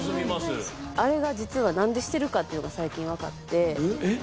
あれが実は何でしてるかっていうのが最近分かってえっ？